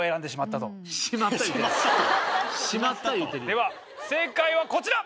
では正解はこちら。